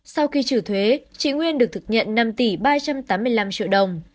sau khi trừ thuế chị nguyên được thực nhận năm tỷ ba trăm tám mươi năm triệu đồng